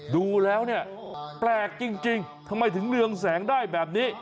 ดูแล้วเนี่ยแปลกจริงทำไมถึงเรืองแสงได้แบบนี้